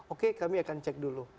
oke kami akan cek dulu